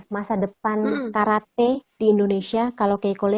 masa depan karate di indonesia kalau keiko lihat